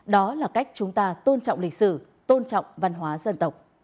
đó là cách chúng ta tôn trọng lịch sử tôn trọng văn hóa dân tộc